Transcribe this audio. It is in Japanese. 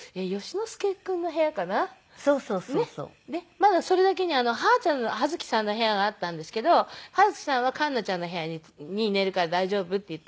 まだその時にはーちゃんのはづきさんの部屋があったんですけどはづきさんはカンナちゃんの部屋に寝るから大丈夫って言って。